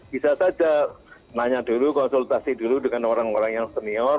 bisa saja nanya dulu konsultasi dulu dengan orang orang yang senior